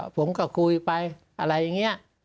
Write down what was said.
ผมก็คุยไปอะไรอย่างนี้